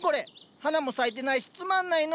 花も咲いてないしつまんないの。